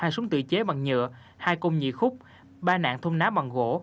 hai súng tự chế bằng nhựa hai công nhị khúc ba nạn thung ná bằng gỗ